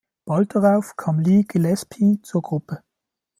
Bald darauf kam Lee Gillespie zur Gruppe.